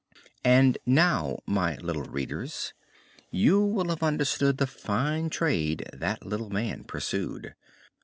And now, my little readers, you will have understood the fine trade that little man pursued.